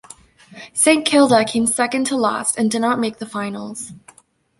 Saint Kilda came second to last and did not make the finals.